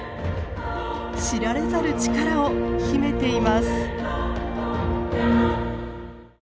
知られざる力を秘めています。